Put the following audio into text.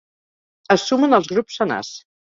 Es sumen els grups senars.